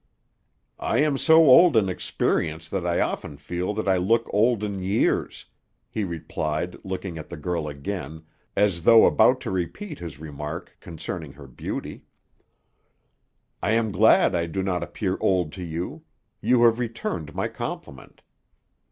"I am so old in experience that I often feel that I look old in years," he replied, looking at the girl again, as though about to repeat his remark concerning her beauty. "I am glad I do not appear old to you. You have returned my compliment."